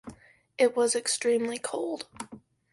It was extremely cold.